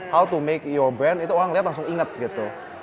bagaimana membuat brand itu orang lihat langsung ingat gitu